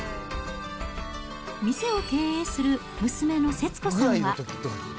店を経営する娘の節子さんは。